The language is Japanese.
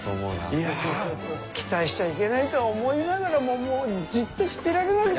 いや期待しちゃいけないとは思いながらももうじっとしてられなくて。